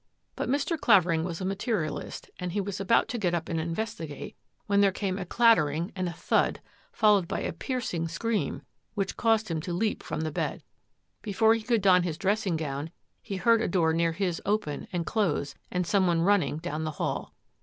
But Mr. Clavering was a materialist and he was about to get up and investigate when there came a clattering and a thud, followed by a piercing scream that caused him to leap from the bed. Be fore he could don his dressing gown, he heard a door near his open and close and some one running down the hall.